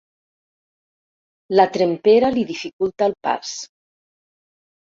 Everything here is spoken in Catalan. La trempera li dificulta el pas.